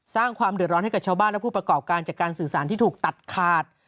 สร้างความเดือดร้อนให้กับชาวบ้านและผู้ประกอบการจากการสื่อสารที่ถูกตัดขาด